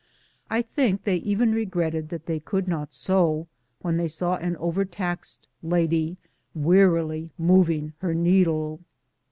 I think they even regretted that they could not sew, when they saw an overtaxed lady wearily moving her needle.